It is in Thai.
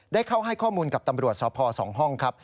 ได้เข้าให้ข้อมูลกับตำรวจสพ๒ห้องครับ